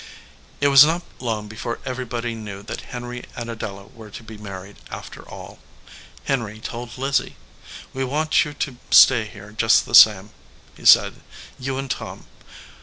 It was not long before everybody knew that Henry and Adela were to be married, after all. Henry told Lizzie. "We want you to stay here just the same," he said. "You and Tom.